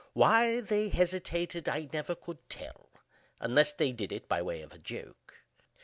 Why they hesitated I never could tell, unless they did it by way of a joke.